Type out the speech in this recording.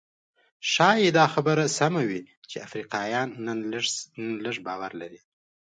ښايي دا خبره سمه وي چې افریقایان نن لږ باور لري.